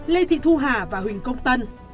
lê thị thu hà và huỳnh công tân